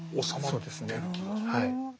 そうですねはい。